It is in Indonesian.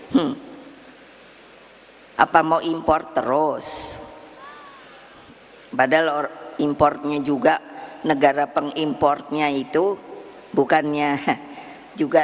hai apa mau impor terus hai badalor importnya juga negara pengimportnya itu bukannya juga